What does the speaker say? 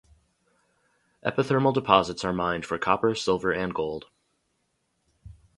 Epithermal deposits are mined for copper, silver and gold.